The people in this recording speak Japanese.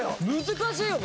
難しいよ！